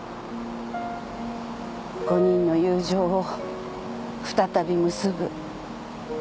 ５人の友情を再び結ぶ。